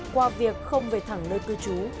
qua việc không về thẳng nơi cư trú